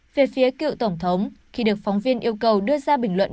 về phía cựu tổng thống khi được phóng viên yêu cầu đưa ra bình luận